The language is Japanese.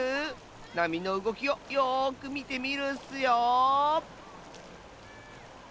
なみのうごきをよくみてみるッスよ。